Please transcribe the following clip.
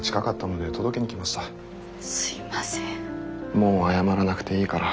もう謝らなくていいから。